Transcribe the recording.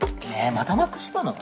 またなくしたの？